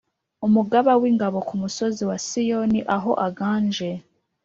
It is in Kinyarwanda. Umugaba w’ingabo ku musozi wa Siyoni aho aganje.